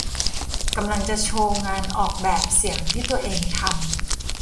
กำลังจะโชว์งานออกแบบเสียงที่ตัวเองทำ